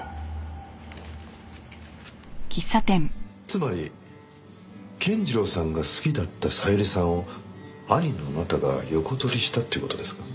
つまり健次郎さんが好きだった小百合さんを兄のあなたが横取りしたという事ですか？